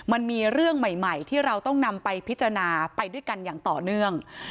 มันมีเรื่องใหม่ที่เราต้องนำไปพิจารณาไปด้วยกันอย่างต่อเนื่อง